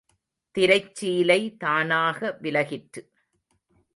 திரைச்சீலை தானாக விலகிற்று.